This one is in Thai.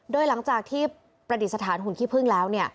โดยหลังจากที่ประดิษฐานหุ่นขี้พึ่งแล้ว